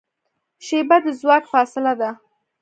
شیبه د ځواک فاصله ده.